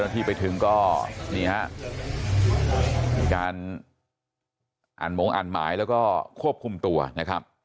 ที่ไปถึงก็นี่ฮะมีการอ่านหมงอ่านหมายแล้วก็ควบคุมตัวนะครับ